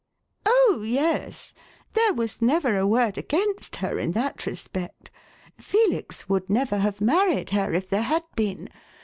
"Oh, yes. There was never a word against her in that respect. Felix would never have married her if there had been.